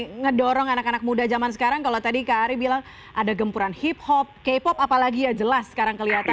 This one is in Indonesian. kita mendorong anak anak muda zaman sekarang kalau tadi kak ari bilang ada gempuran hip hop k pop apalagi ya jelas sekarang kelihatan